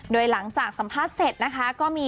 โดยหลังจากสัมภาษณ์เสร็จนะคะก็มี